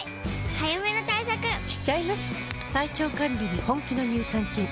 早めの対策しちゃいます。